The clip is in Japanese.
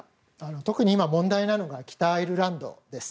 特に今、問題なのが北アイルランドです。